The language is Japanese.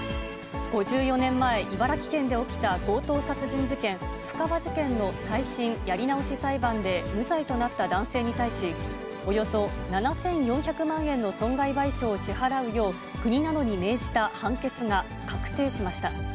５４年前、茨城県で起きた強盗殺人事件、布川事件の再審・やり直し裁判で無罪となった男性に対し、およそ７４００万円の損害賠償を支払うよう、国などに命じた判決